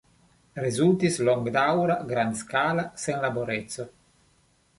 Rezultis longdaŭra grandskala senlaboreco.